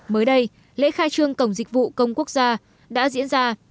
mới đây lễ khai trương cổng dịch vụ công quốc gia đã diễn ra